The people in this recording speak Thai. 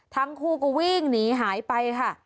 ทั้งคู่ก็วิ่งหนีหายไปค่ะ